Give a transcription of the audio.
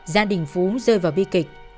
gia đình phú rơi vào bi kịch